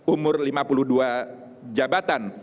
umur lima puluh dua jabatan